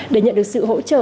để nhận được sự hỗ trợ